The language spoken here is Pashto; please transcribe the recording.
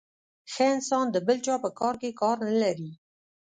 ښه انسان د بل چا په کار کي کار نلري .